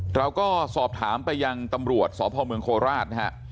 เราก็สอบถามไปยังตำรวจสพเมืองโคราชนะฮะ